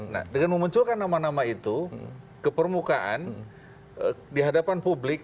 nah dengan memunculkan nama nama itu ke permukaan di hadapan publik